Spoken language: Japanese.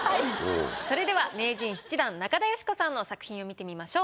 それでは名人７段中田喜子さんの作品を見てみましょう。